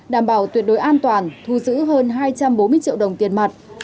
đảm bảo tuyệt đối an toàn thu giữ hơn hai trăm bốn mươi triệu đồng tiền mặt